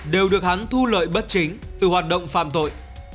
đều được hắn thu lợi bất chính từ hoạt động phạm tội